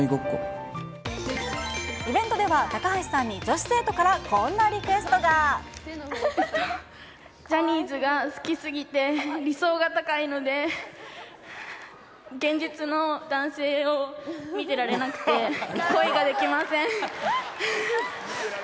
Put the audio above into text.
イベントでは高橋さんに女子えっと、ジャニーズが好きすぎて、理想が高いので現実の男性を見てられなくて、恋ができません。